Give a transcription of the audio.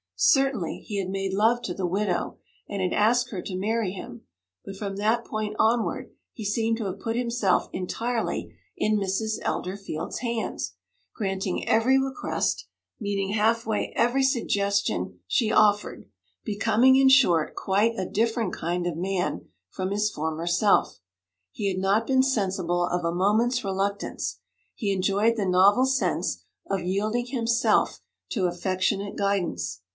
Certainly, he had made love to the widow, and had asked her to marry him; but from that point onward he seemed to have put himself entirely in Mrs. Elderfield's hands, granting every request, meeting half way every suggestion she offered, becoming, in short, quite a different kind of man from his former self. He had not been sensible of a moment's reluctance; he enjoyed the novel sense of yielding himself to affectionate guidance.